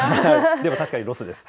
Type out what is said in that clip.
でも確かにロスです。